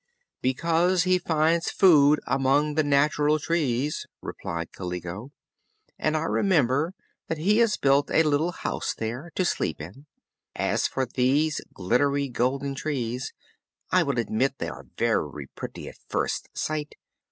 "Because he finds food among the natural trees," replied Kaliko, "and I remember that he has built a little house there, to sleep in. As for these glittery golden trees, I will admit they are very pretty at first sight.